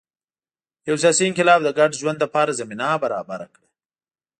یو سیاسي انقلاب د ګډ ژوند لپاره زمینه برابره کړه